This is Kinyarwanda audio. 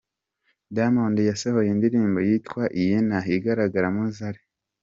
Diamond yasohoye indirimbo yitwa ‘Iyena’ igaragaramo Zari.